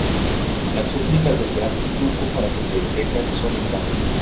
Las súplicas del Gran Pitufo para que se detengan son en vano.